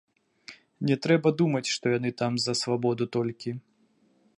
Не трэба думаць, што яны там за свабоду толькі.